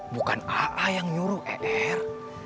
bukan aa yang nyuruh edr